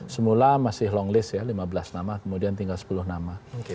semula masih long list ya lima belas nama kemudian tinggal sepuluh nama